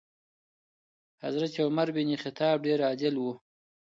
حضرت عمر بن خطاب ډېر عادل و.